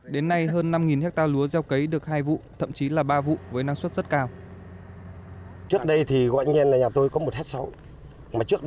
đến nay hơn năm hectare lúa gieo cấy được hai vụ thậm chí là ba vụ với năng suất rất cao